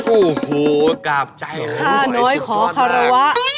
โอ้โฮกราบใจโหยสุดกว้างมากค่ะหน้อยขอขอรวรรค์